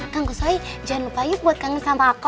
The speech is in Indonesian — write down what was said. kangkusoi jangan lupa yuk buat kangen sama aku